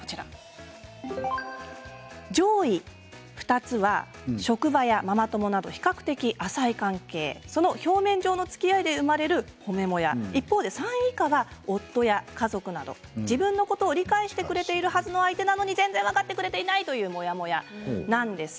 上位２つは職場やママ友など比較的浅い関係、表面上のつきあいで生まれる褒めモヤ一方３位以下は夫や家族など自分のことを理解してくれているはずの相手なのに全然分かってくれていないというモヤモヤなんです。